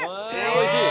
おいしい。